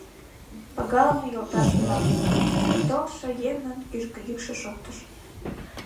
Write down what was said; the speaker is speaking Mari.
— Пагалыме йолташ-влак! — толшо еҥын кӱжгӧ йӱкшӧ шоктыш.